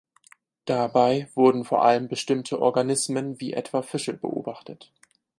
Dabei wurden vor allem bestimmte Organismen wie etwa Fische beobachtet.